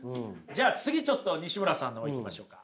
じゃあ次ちょっとにしむらさんの方いきましょうか。